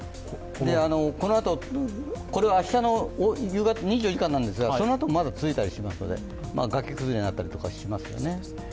これは２４時間なんですがそのあともまだ続いたらしますので、崖崩れとかになったりしますよね。